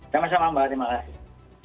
sama sama mbak terima kasih